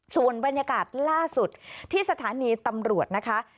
ส่วนบรรยากาศล่าสุดที่สถานีตำรวจนะคะ